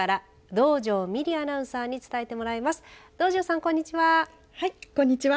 道上さんこんにちは。